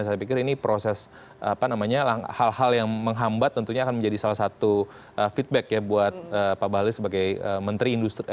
saya pikir ini proses apa namanya hal hal yang menghambat tentunya akan menjadi salah satu feedback ya buat pak bahlil sebagai menteri industri